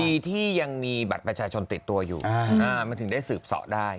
ดีที่ยังมีบัตรประชาชนติดตัวอยู่มันถึงได้สืบเสาะได้